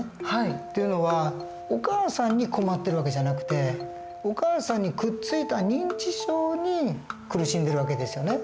っていうのはお母さんに困ってる訳じゃなくてお母さんにくっついた認知症に苦しんでる訳ですよね。